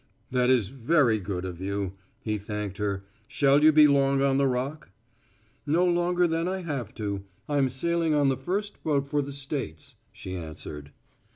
"That is very good of you," he thanked her. "Shall you be long on the Rock?" "No longer than I have to. I'm sailing on the first boat for the States," she answered.